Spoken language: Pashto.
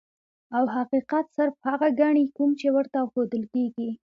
او حقيقت صرف هغه ګڼي کوم چي ورته ښودل کيږي.